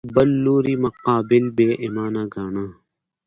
بل لوري مقابل بې ایمانه ګاڼه